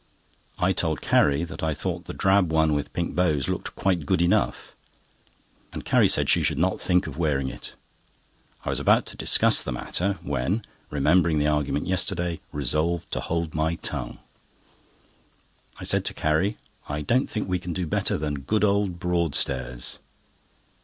I told Carrie that I thought the drab one with pink bows looked quite good enough; and Carrie said she should not think of wearing it. I was about to discuss the matter, when, remembering the argument yesterday, resolved to hold my tongue. I said to Carrie: "I don't think we can do better than 'Good old Broadstairs.